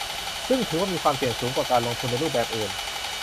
ซึ่งถือว่ามีความเสี่ยงสูงกว่าการลงทุนในรูปแบบอื่น